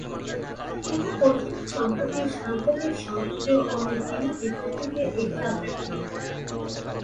কিন্তু পৈতৃক সম্পত্তির সাংঘাতিক সংঘাতেও অমিত বিনা বিপত্তিতে এ যাত্রা টিঁকে গেল।